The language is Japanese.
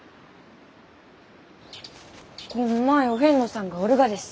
こんまいお遍路さんがおるがです。